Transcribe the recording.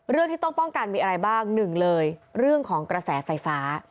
เรื่องที่ต้องป้องกันมีอะไรบ้างหนึ่งเลยเรื่องของกระแสไฟฟ้า